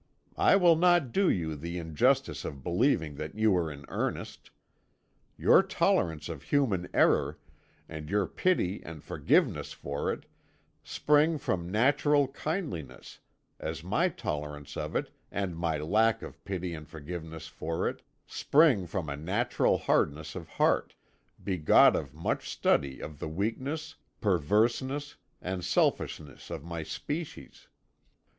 I will not do you the injustice of believing that you are in earnest. Your tolerance of human error, and your pity and forgiveness for it, spring from natural kindliness, as my tolerance of it, and my lack of pity and forgiveness for it, spring from a natural hardness of heart, begot of much study of the weakness, perverseness, and selfishness of my species.